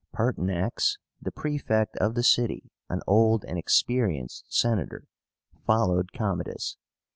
PERTINAX, the Praefect of the city, an old and experienced Senator, followed Commodus.